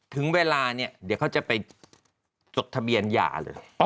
ถึงเวลานี้เดี๋ยวเขาจะไปจดทะเบียนหญ่อครับ